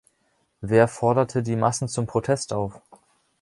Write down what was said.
Wer forderte die Massen zum Protest auf?